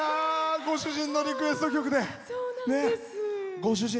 ご主人のリクエスト曲で。